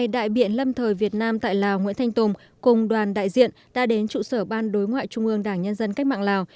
đại biển việt nam tại lào nguyễn thanh tùng cùng đoàn đại diện đã đến trụ sở ban đối ngoại trung ương đảng nhân dân cách mạng lào